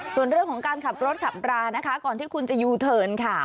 ส่วนเรื่องของการขับรถขับรานะคะก่อนที่คุณจะยูเทิร์นค่ะ